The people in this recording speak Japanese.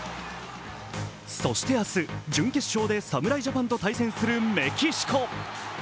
そして明日、準決勝で侍ジャパンと対戦するメキシコ。